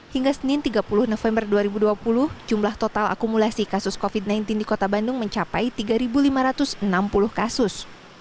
hingga senin tiga puluh november dua ribu dua puluh jumlah total akumulasi kasus covid sembilan belas di kota bandung mencapai tiga lima ratus enam puluh kasus